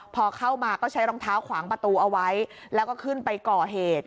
พอเข้ามาก็ใช้รองเท้าขวางประตูเอาไว้แล้วก็ขึ้นไปก่อเหตุ